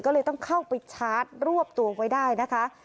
ก็เลยต้องเข้าไปชาร์จรวบตัวไว้ได้นะคะ